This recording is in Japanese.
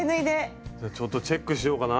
じゃあちょっとチェックしようかな。